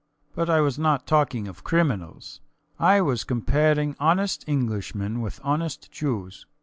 But I was not talking of criminals. I was comparing honest Englishmen with honest Jews.